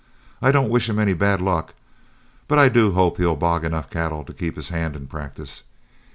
I don't wish him any bad luck, but I do hope he'll bog enough cattle to keep his hand in practice.